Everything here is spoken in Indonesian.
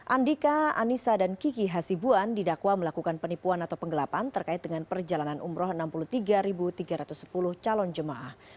andika anissa dan kiki hasibuan didakwa melakukan penipuan atau penggelapan terkait dengan perjalanan umroh enam puluh tiga tiga ratus sepuluh calon jemaah